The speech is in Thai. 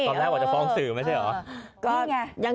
ตอนแรกบอกจะฟ้องสื่อไม่ใช่เหรอ